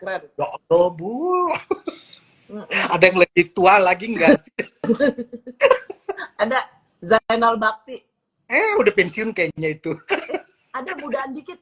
ada bu ada yang lebih tua lagi enggak sih ada zainal bakti eh udah pensiun kayaknya itu ada mudahan dikit